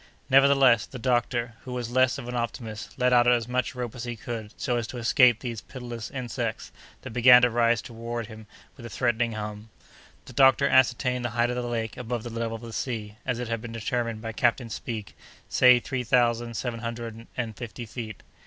Nevertheless, the doctor, who was less of an optimist, let out as much rope as he could, so as to escape these pitiless insects, that began to rise toward him with a threatening hum. The doctor ascertained the height of the lake above the level of the sea, as it had been determined by Captain Speke, say three thousand seven hundred and fifty feet.